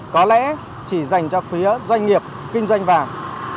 có lẽ chỉ dành cho phía doanh nghiệp kinh doanh vàng